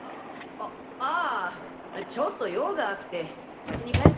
あああちょっと用があって先に帰った。